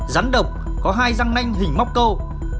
rắn độc có hai răng nanh hình móc câu